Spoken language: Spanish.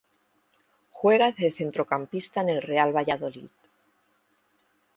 Juega de centrocampista en el Real Valladolid.